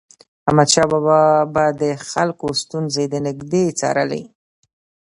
احمدشاه بابا به د خلکو ستونزې د نژدي څارلي.